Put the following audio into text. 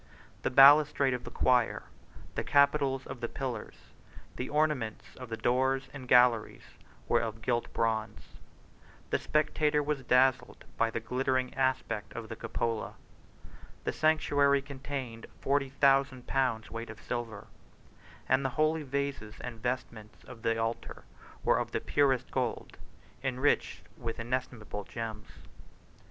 The balustrade of the choir, the capitals of the pillars, the ornaments of the doors and galleries, were of gilt bronze; the spectator was dazzled by the glittering aspect of the cupola; the sanctuary contained forty thousand pounds weight of silver; and the holy vases and vestments of the altar were of the purest gold, enriched with inestimable gems.